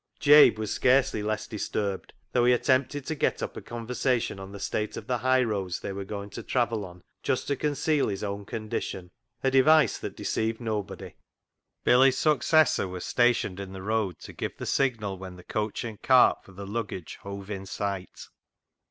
Jabe was scarcely less disturbed, though he attempted to get up a conversation on the state of the high roads they were going to travel on, just to conceal his own condition — a device that deceived nobody. Billy's successor was stationed in the road to give the signal when the coach and cart for the luggage hove in sight.